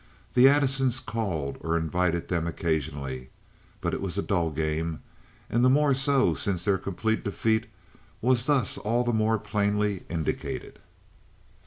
The Addisons called or invited them occasionally. But it was a dull game, the more so since their complete defeat was thus all the more plainly indicated.